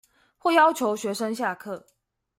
或要求學生下課